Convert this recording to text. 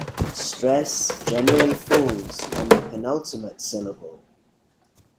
Stress generally falls on the penultimate syllable.